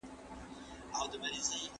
سبا به ارزونه وسي.